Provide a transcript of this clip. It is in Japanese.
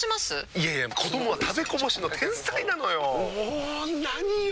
いやいや子どもは食べこぼしの天才なのよ。も何よ